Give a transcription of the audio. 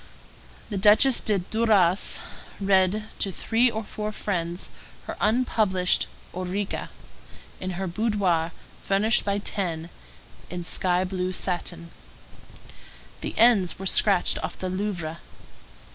The Duchesse de Duras read to three or four friends her unpublished Ourika, in her boudoir furnished by X. in sky blue satin. The N's were scratched off the Louvre.